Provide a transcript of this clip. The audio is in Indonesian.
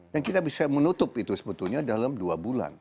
dan kita bisa menutup itu sebetulnya dalam dua bulan